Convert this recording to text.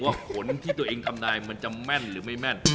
ผลที่ตัวเองทำนายมันจะแม่นหรือไม่แม่น